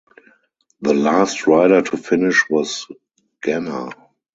The last rider to finish was Ganna.